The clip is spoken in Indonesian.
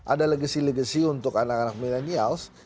ada legasi legacy untuk anak anak milenials